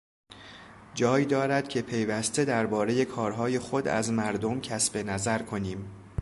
جای دارد که پیوسته دربارهٔ کارهای خود از مردم کسب نظر کنیم.